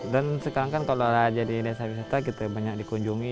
dan sekarang kan kalau jadi desa wisata gitu banyak dikunjungi